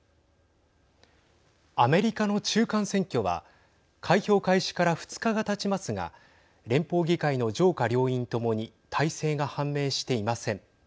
アメリカの中間選挙は開票開始から２日がたちますが連邦議会の上下両院ともに大勢が判明していません。